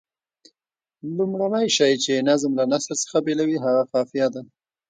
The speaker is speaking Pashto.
لومړنی شی چې نظم له نثر څخه بېلوي هغه قافیه ده.